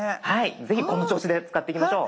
是非この調子で使っていきましょう。